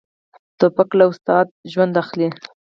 توپک له استاد ژوند اخلي.